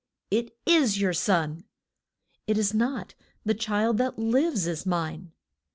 It is your son. It is not; the child that lives is mine.